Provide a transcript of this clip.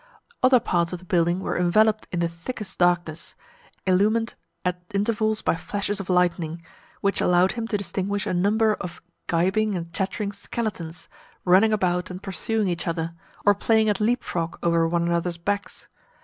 Other parts of the building were enveloped in the thickest darkness, illumined at intervals by flashes of lightning, which allowed him to distinguish a number of gibing and chattering skeletons, running about and pursuing each other, or playing at leap frog over one another's backs.